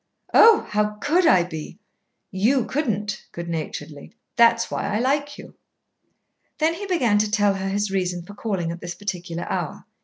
"Oh! how could I be?" "You couldn't," good naturedly. "That's why I like you." Then he began to tell her his reason for calling at this particular hour.